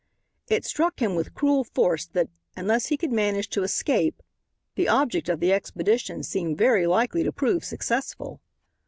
It struck him with cruel force that, unless he could manage to escape, the object of the expedition seemed very likely to prove successful.